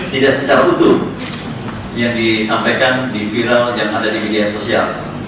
tidak secara utuh yang disampaikan di viral yang ada di media sosial